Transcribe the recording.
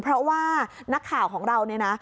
เพราะว่านักข่าวของเราเนี่ยนะ